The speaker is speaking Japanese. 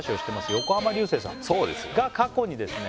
横浜流星さんが過去にですね